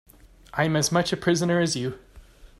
I'm as much a prisoner as you.